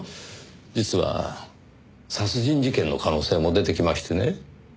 実は殺人事件の可能性も出てきましてね。